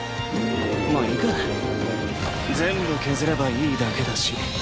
まあいいか全部削ればいいだけだし。